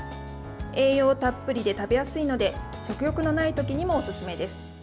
栄養たっぷりで食べやすいので食欲のない時にもおすすめです。